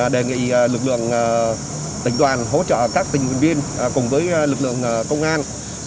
đề nghị lực lượng tỉnh đoàn hỗ trợ các tỉnh huyện viên cùng với lực lượng công an